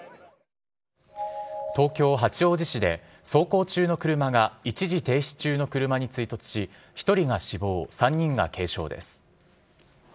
東京・八王子市で走行中の車が一時停止中の車に追突し１人が死亡、３人が軽傷です。